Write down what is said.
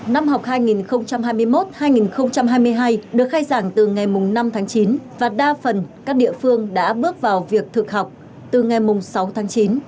năm học hai nghìn hai mươi một hai nghìn hai mươi hai được khai giảng từ ngày năm tháng chín và đa phần các địa phương đã bước vào việc thực học từ ngày sáu tháng chín